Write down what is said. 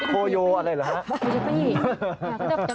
โคโยอะไรหรือฮะ